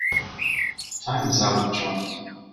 Time is out of joint